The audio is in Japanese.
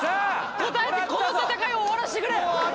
答えてこの戦いを終わらせてくれ！